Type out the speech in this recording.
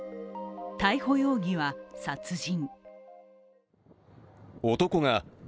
逮捕容疑は殺人。